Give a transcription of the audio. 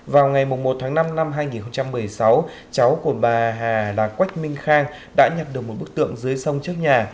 vào ngày một tháng năm năm hai nghìn một mươi sáu cháu của bà hà là quách minh khang đã nhặt được một bức tượng dưới sông trước nhà